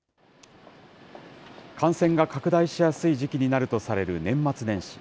感染が拡大しやすい時期になるとされる年末年始。